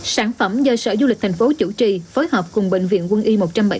sản phẩm do sở du lịch thành phố chủ trì phối hợp cùng bệnh viện quân y một trăm bảy mươi